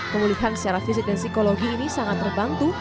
pemulihan secara fisik dan psikologi ini sangat terbantu